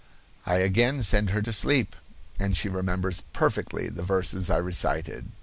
I again send her to sleep, and she remembers perfectly the verses I recited.